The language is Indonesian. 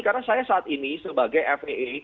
karena saya saat ini sebagai faa